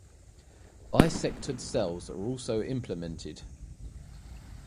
Bisectored cells are also implemented.